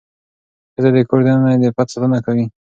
ښځه د کور دننه د عفت ساتنه کوي.